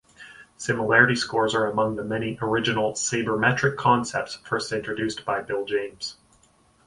Similarity scores are among the many original sabermetric concepts first introduced by Bill James.